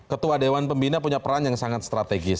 ketua dewan pembina punya peran yang sangat strategis